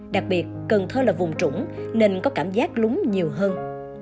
đặc biệt cần thơ là vùng trũng nên có cảm giác lúng nhiều hơn